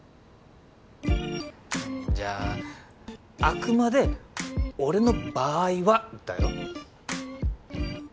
じゃああくまで俺の場合はだよ？